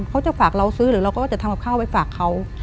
เขาจะฝากเราซื้อหรือเราก็จะทำกับข้าวไปฝากเขา